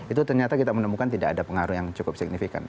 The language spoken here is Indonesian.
itu ternyata kita menemukan tidak ada pengaruh yang cukup signifikan